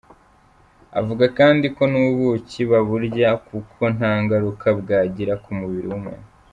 Avuga kandi ko n’ubuki baburya kuko nta ngaruka bwagira ku mubiri w’umuntu.